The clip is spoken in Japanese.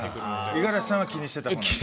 五十嵐さんは気にしていたんですか？